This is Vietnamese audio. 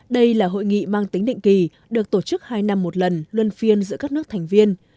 đây là hội nghị mang tính định kỳ được tổ chức hai năm một lần luân phiên giữa các nước thành viên